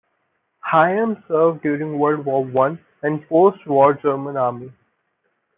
Heim served during World War One and the post-war German army.